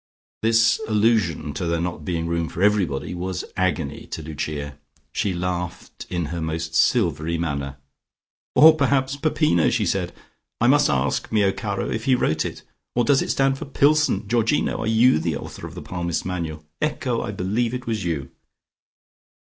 This allusion to there not being room for everybody was agony to Lucia. She laughed in her most silvery manner. "Or, perhaps Peppino," she said. "I must ask mio caro if he wrote it. Or does it stand for Pillson? Georgino, are you the author of the Palmist's Manual? Ecco! I believe it was you."